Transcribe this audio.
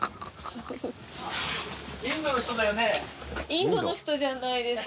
インドの人じゃないです。